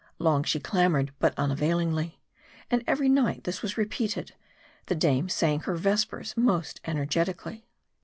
Long she clamored, but unavailingly. And every night this was repeated ; the dame saying her vespers most energetically.